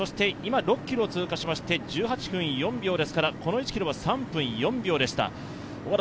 今、６ｋｍを通過しまして１８分４秒ですから、この１ｋｍは３分４秒でした。